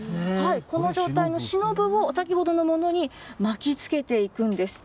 この状態のシノブを、先ほどのものに巻きつけていくんです。